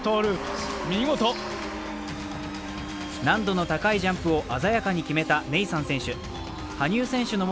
難度の高いジャンプを鮮やかに決めたネイサン選手。